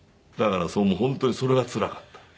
だから本当にそれがつらかった。